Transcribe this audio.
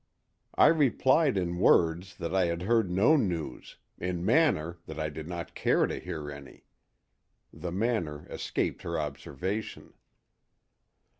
"I replied in words that I had heard no news; in manner, that I did not care to hear any. The manner escaped her observation.